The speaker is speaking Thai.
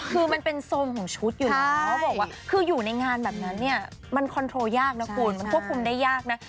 คือมันเป็นทรงของชุดอยู่แล้วเขาบอกว่าคืออยู่ในงานแบบนั้นเนี่ยมันคอนโทรยากนะคุณมันควบคุมได้ยากนะ